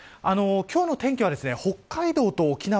今日の天気は、北海道と沖縄